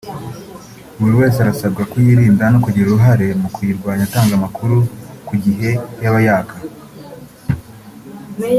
Buri wese arasabwa kuyirinda no kugira uruhare mu kuyirwanya atanga amakuru ku gihe y’abayaka